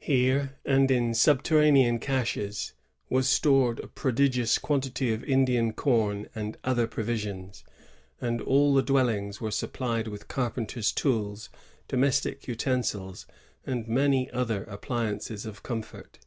Here, and in subterranean cetehes^ was stored a prodigious quantity of Indian«eom and other provisions; and all the dwellings were sup plied with carpenters* tools, domestic utensils, and many other appliances of comfort.